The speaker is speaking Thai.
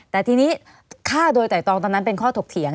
แต่ทีนี้ฆ่าโดยไตรตองตอนนั้นเป็นข้อถกเถียง